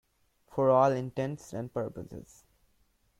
For all intents and purposes.